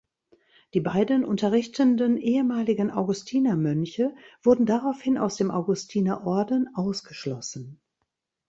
Die beiden unterrichtenden ehemaligen Augustinermönche wurden daraufhin aus dem Augustinerorden ausgeschlossen.